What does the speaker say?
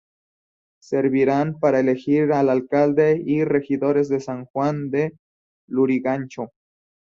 Servirán para elegir al alcalde y regidores de San Juan de Lurigancho.